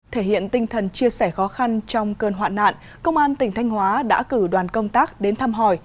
thể hiện tinh thần chia sẻ khó khăn trong cơn hoạn nạn công an tỉnh thanh hóa đã cử đoàn công tác đến thăm hỏi